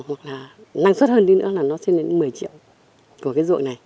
hoặc là năng suất hơn đi nữa là nó sẽ lên đến một mươi triệu của cái ruộng này